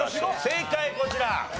正解こちら。